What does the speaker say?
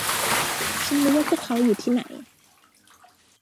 ฉันรู้ว่าพวกเขาอยู่ที่ไหน